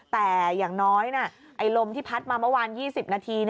แต่อย่างน้อยลมที่พัดมาเมื่อวาน๒๐นาที